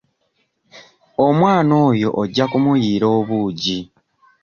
Omwana oyo ojja kumuyiira obuugi.